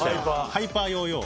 ハイパーヨーヨー。